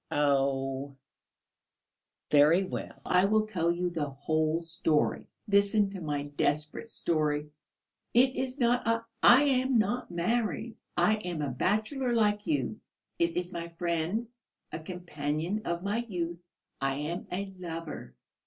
Oh, very well, I will tell you the whole story. Listen to my desperate story. It is not I I am not married. I am a bachelor like you. It is my friend, a companion of my youth.... I am a lover....